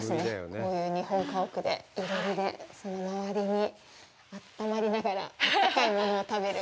こういう日本家屋で、いろりでその周りにあったまりながらあったかいものを食べる。